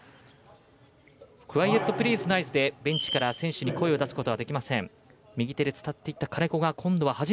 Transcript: クワイエットプリーズの合図でベンチから選手に声を出すことはできません。